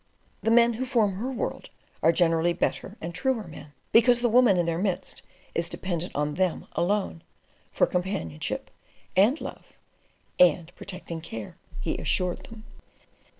"The men who form her world are generally better and truer men, because the woman in their midst is dependent on them alone, for companionship, and love, and protecting care," he assured them.